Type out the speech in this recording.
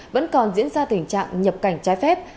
vẫn còn diễn ra tình trạng nhập cảnh trái phép